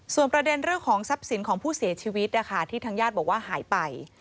ส่วนประเด็นเรื่องของทรัพย์สินของผู้เสียชีวิตนะคะที่ทางญาติบอกว่าหายไป